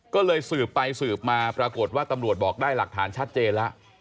ก็เลยสืบไปสืบมาปรากฏว่าตำรวจบอกได้หลักฐานชัดเจนแล้ว